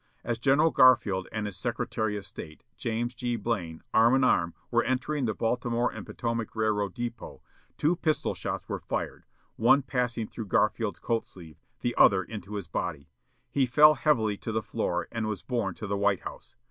As General Garfield and his Secretary of State, James G. Blaine, arm in arm, were entering the Baltimore & Potomac Railroad depot, two pistol shots were fired; one passing through Garfield's coat sleeve, the other into his body. He fell heavily to the floor, and was borne to the White House.